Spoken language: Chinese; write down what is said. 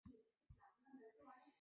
湖水主要靠地表径流补给。